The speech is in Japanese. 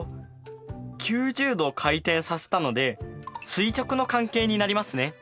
９０°回転させたので垂直の関係になりますね。